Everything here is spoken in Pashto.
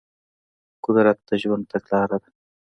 قدرت د ژوند تګلاره ده.